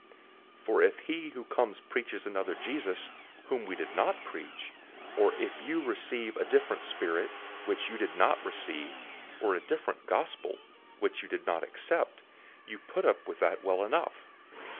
011:004 For if he who comes preaches another Jesus, whom we did not preach, or if you receive a different spirit, which you did not receive, or a different "good news", which you did not accept, you put up with that well enough.